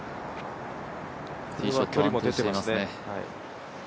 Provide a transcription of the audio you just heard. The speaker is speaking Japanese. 距離も出ていますね。